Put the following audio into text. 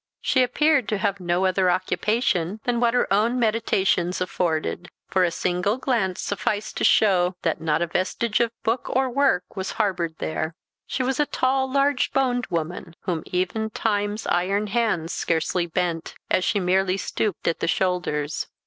She appeared to have no other occupation than what her own meditations afforded; for a single glance sufficed to show that not a vestige of book or work was harboured there. She was a tall, large boned woman, whom even Time's iron hands scarcely bent, as she merely stooped at the shoulders.